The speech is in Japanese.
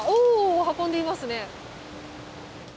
運んでいますね。